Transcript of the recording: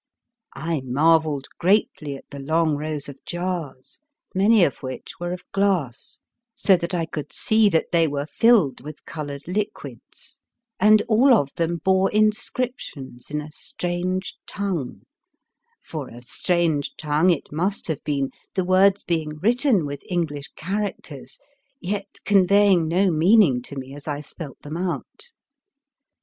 I marvelled greatly at the long rows of jars, many of which were of glass, 39 The Fearsome Island so that I could see that they were filled with coloured liquids, and all of them bore inscriptions in a strange tongue — for a strange tongue it must have been, the words being written with English characters, yet conveying no meaning to me as I spelt them out.